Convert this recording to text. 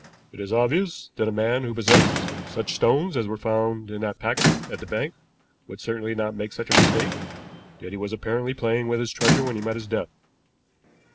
"It is obvious that a man who possessed such stones as were found in that packet at the bank would certainly not make such a mistake; yet he was apparently playing with his treasure when he met his death.